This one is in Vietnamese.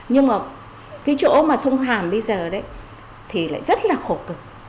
nhưng mà cái chỗ mà sông hàm bây giờ đấy thì lại rất là khổ cực